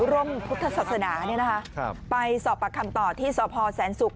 ร่วมพุทธศาสนาไปสอบประคำต่อที่สพแสนศุกร์